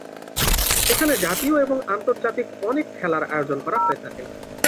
এখানে জাতীয় এবং আন্তর্জাতিক অনেক খেলার আয়োজন করা হয়ে থাকে।